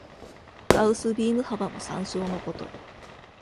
ガウスビーム幅も参照のこと。